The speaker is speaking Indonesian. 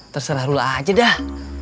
terserah lu aja dah